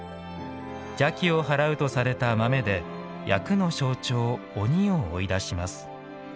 邪気を払うとされた豆で厄の象徴・鬼を追い出します。